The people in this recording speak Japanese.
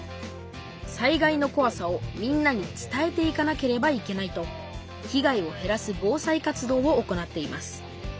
災害のこわさをみんなに伝えていかなければいけないとひ害をへらす防災活動を行っています。